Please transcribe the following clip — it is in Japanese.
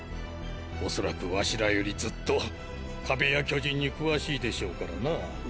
恐らくワシらよりずっと壁や巨人に詳しいでしょうからな。